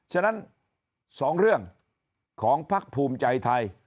ฉะนั้น๒เรื่องของภักดิ์ภูมิใจไทย